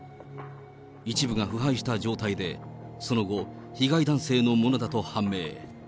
一部が腐敗した状態で、その後、被害男性のものだと判明。